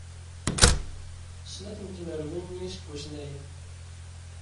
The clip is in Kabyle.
Snat n tmerwin n yiseggasen aya.